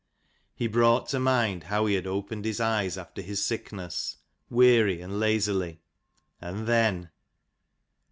He brought to mind how he had opened his eyes after his sickness, wearily and lazily ; and then